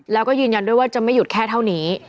แล้วก็ยืนยันด้วยว่าจะไม่หยุดแค่เท่านี้